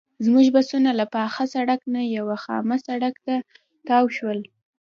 زموږ بسونه له پاخه سړک نه یوه خامه سړک ته تاو شول.